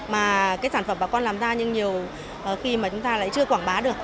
mà cái sản phẩm bà con làm ra nhưng nhiều khi mà chúng ta lại chưa quảng bá được